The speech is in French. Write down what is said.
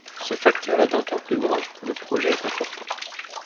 Ce facteur est d'autant plus grand que le projet est important.